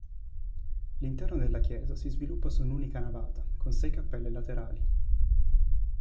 L'interno della chiesa si sviluppa su un'unica navata, con sei cappelle laterali.